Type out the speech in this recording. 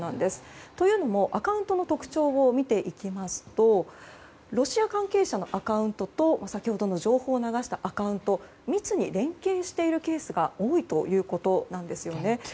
というのも、アカウントの特徴を見ていきますとロシア関係者のアカウントと先ほどの情報を流したアカウント密に連携しているケースが多いということなんです。